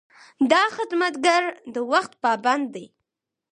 دا خدمتګر د وخت پابند دی.